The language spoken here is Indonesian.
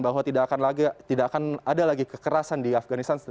bahwa tidak akan ada lagi kekerasan di afganistan